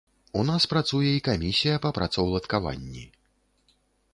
У нас працуе і камісія па працаўладкаванні.